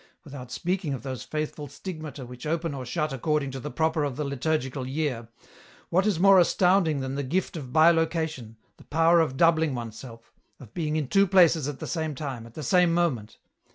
Without speaking of those faithful stigmata which open or shut according to the Proper of the liturgical year, what is more astounding than the gift of bilocation, the power of doubling oneself, of being in two places at the same time, at the same moment